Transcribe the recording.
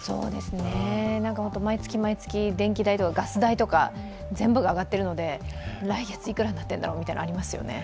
毎月毎月電気代とかガス代とか全部が上がっているので、来月いくらになっているんだろうというのがありますよね。